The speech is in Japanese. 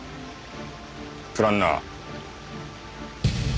『プランナー』。